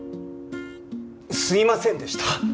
すいませんでした！